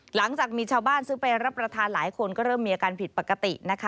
หลังจากมีชาวบ้านซื้อไปรับประทานหลายคนก็เริ่มมีอาการผิดปกตินะคะ